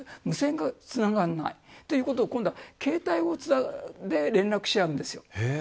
無線がつながらないということで今度は携帯で連絡し合うんです。